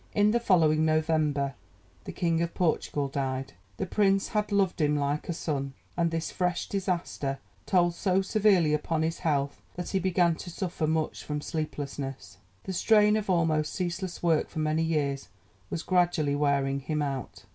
In the following November the King of Portugal died. The Prince had loved him like a son, and this fresh disaster told so severely upon his health that he began to suffer much from sleeplessness. The strain of almost ceaseless work for many years was gradually wearing him out.